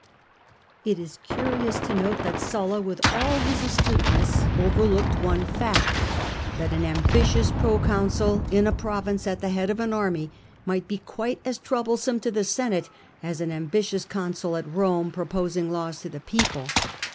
It is curious to note that Sulla, with all his acuteness, overlooked one fact — that an ambitious proconsul in a province, at the head of an army, might be quite as troublesome to the Senate as an ambitious consul at Eome proposing laws to the people.